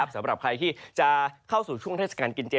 สำหรับใครที่จะเข้าสู่ช่วงเทศกาลกินเจ